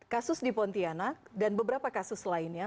kasus di pontianak dan beberapa kasus lainnya